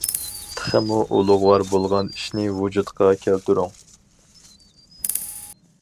تېخىمۇ ئۇلۇغۋار بولغان ئىشنى ۋۇجۇدقا كەلتۈرۈڭ.